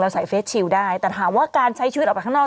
ใส่เฟสชิลได้แต่ถามว่าการใช้ชีวิตออกไปข้างนอก